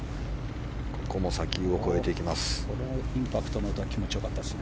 ここも砂丘を越えていきます。